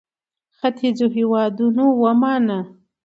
ختیځو هېوادونو ومانه.